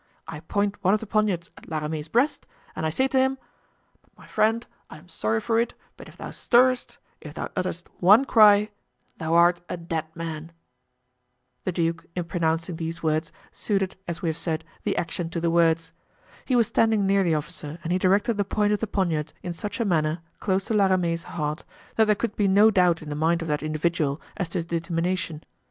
I point one of the poniards at La Ramee's breast and I say to him, 'My friend, I am sorry for it, but if thou stirrest, if thou utterest one cry, thou art a dead man!'" The duke, in pronouncing these words, suited, as we have said, the action to the words. He was standing near the officer and he directed the point of the poniard in such a manner, close to La Ramee's heart, that there could be no doubt in the mind of that individual as to his determination.